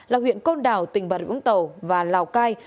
là huyện côn đảo tỉnh bà rịa úng tàu và lào cai